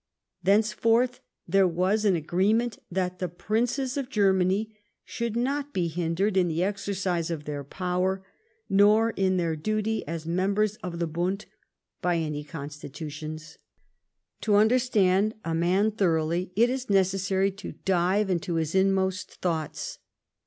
Tlienceforth there was an affree ment that the Princes of Germany should not be hindered in the exercise of their power, nor in their duty as members of the Bund, by any constitutions. To understand a man thorouglily it is necessary to dive into his inmost thoughts.